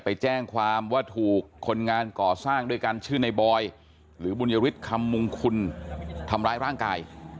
ไปแจ้งความว่าถูกคนงานก่อสร้างด้วยกันชื่อในบอยหรือบุญยฤทธิคำมงคุณทำร้ายร่างกาย